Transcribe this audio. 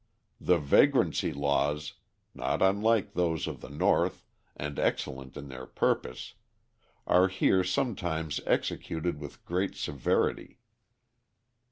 The vagrancy laws, not unlike those of the North and excellent in their purpose, are here sometimes executed with great severity.